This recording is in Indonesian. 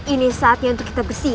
ini saatnya untuk kita besi